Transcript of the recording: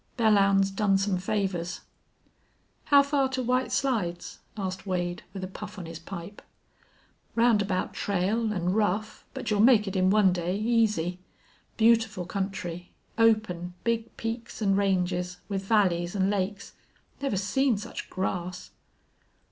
Belllounds done some favors." "How far to White Slides?" asked Wade, with a puff on his pipe. "Roundabout trail, an' rough, but you'll make it in one day, easy. Beautiful country. Open, big peaks an' ranges, with valleys an' lakes. Never seen such grass!"